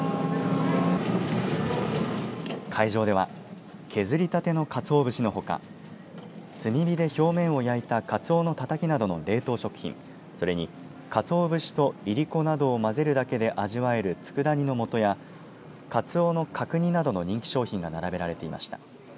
会場では削りたてのかつお節のほか炭火で表面を焼いたかつおのたたきなどの冷凍食品それにかつお節といりこなどを混ぜるだけで味わえるつくだ煮のもとやかつおの角煮などの人気商品が並べられていました。